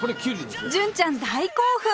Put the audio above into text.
純ちゃん大興奮！